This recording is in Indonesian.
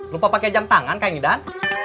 lupa pakai jam tangan kang idaan